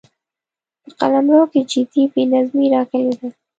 په قلمرو کې جدي بې نظمي راغلې ده.